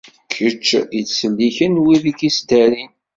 Kečč yettselliken wid i k-ittdarin.